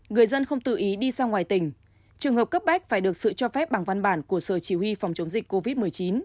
người dân không tự ý đi ra ngoài tỉnh trường hợp cấp bách phải được sự cho phép bằng văn bản của sở chỉ huy phòng chống dịch covid một mươi chín